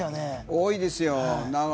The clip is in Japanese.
多いですよ。